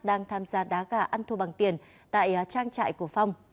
đang tham gia đá gà ăn thua bằng tiền tại trang trại của phong